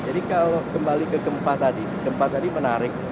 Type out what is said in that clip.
jadi kalau kembali ke gempa tadi gempa tadi menarik